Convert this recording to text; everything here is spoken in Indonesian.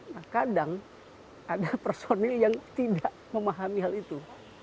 nah kadang ada personil yang tidak memahami hal itu